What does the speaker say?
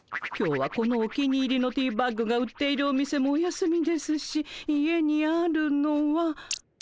今日はこのお気に入りのティーバッグが売っているお店もお休みですし家にあるのは。